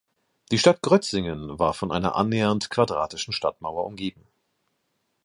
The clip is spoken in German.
Die Stadt Grötzingen war von einer annähernd quadratischen Stadtmauer umgeben.